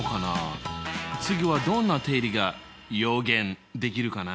次はどんな定理がよげんできるかな？